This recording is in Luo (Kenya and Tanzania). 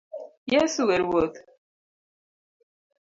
Yesu e Ruoth